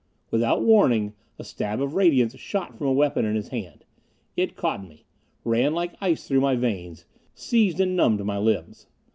Without warning, a stab of radiance shot from a weapon in his hand. It caught me. Ran like ice through my veins. Seized and numbed my limbs.